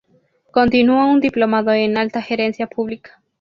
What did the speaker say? Continuó un Diplomado en Alta Gerencia Pública.